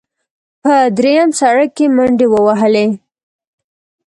په درېیم سړک کې منډې ووهلې.